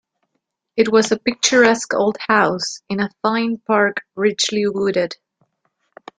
It was a picturesque old house in a fine park richly wooded.